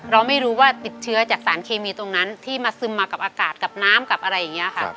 เราไม่รู้ว่าติดเชื้อจากสารเคมีตรงนั้นที่มาซึมมากับอากาศกับน้ำกับอะไรอย่างนี้ค่ะ